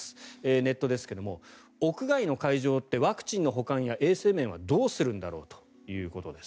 ネットですが屋外の会場ってワクチンの保管や衛生面はどうするんだろうと。